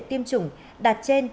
tiêm chủng đạt trên